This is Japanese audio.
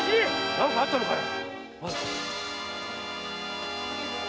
何かあったのかよ？